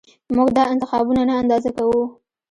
موږ دا انتخابونه نه اندازه کوو